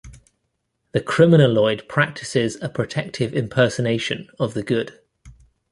The criminaloid practices a protective impersonation of the good.